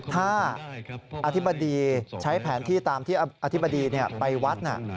ถ้าอธิบดีใช้แผนที่ตามที่อธิบดีไปวัด